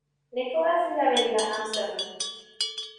Nicholas y la Avenida Amsterdam.